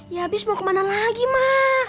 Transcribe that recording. ya habis mau kemana lagi mak